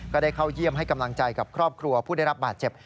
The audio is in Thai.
ก็ได้เข้าเยี่ยมให้กำลังใจกับครอบครัวผู้ได้รับบาดเจ็บ